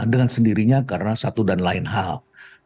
dengan sendirinya karena satu dan lain hal